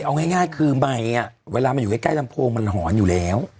เอาง่ายคือใบเวลามันอยู่ใกล้ลำโพงมันหอนอยู่แล้ว